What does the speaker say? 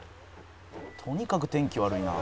「とにかく天気悪いな」